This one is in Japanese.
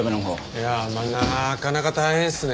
いやまあなかなか大変ですね。